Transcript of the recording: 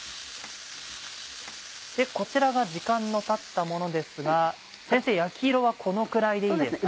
こちらが時間のたったものですが先生焼き色はこのくらいでいいですか？